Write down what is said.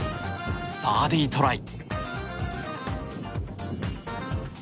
バーディートライ。